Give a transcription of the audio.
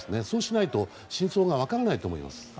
そうしないと真相が分からないと思います。